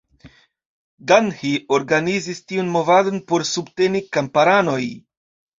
Gandhi organizis tiun movadon por subteni kamparanoj.